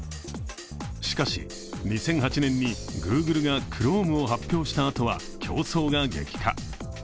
しかし、２００８年にグーグルがクロームを発表したあとは競争が激化。